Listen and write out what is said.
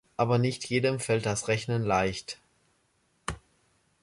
Aber nicht jedem fällt das Rechnen leicht.